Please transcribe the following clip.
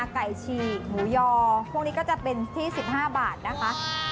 ฉีกหมูยอพวกนี้ก็จะเป็นที่๑๕บาทนะคะ